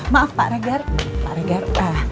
maaf pak regar